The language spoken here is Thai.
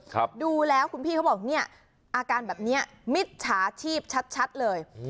คุณพี่เขาบอกอาการแบบนี้มีชะชิพชัดเลย